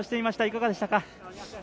いかがでしたか？